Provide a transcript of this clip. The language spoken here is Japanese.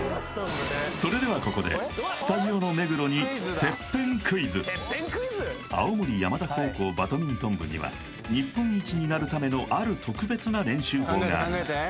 それではここでスタジオの青森山田高校バドミントン部には日本一になるためのある特別な練習法があります